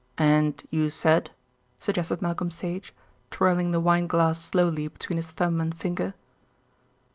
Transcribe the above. "And you said?" suggested Malcolm Sage, twirling the wineglass slowly between his thumb and finger.